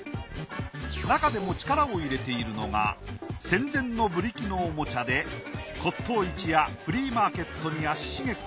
なかでも力を入れているのが戦前のブリキのおもちゃで骨董市やフリーマーケットに足しげく